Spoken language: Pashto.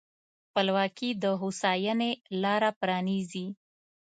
خپلواکي د هوساینې لاره پرانیزي.